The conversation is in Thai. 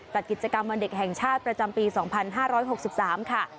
จัดกิจกรรมวันเด็กแห่งชาติประจำปี๒๕๖๓ค่ะ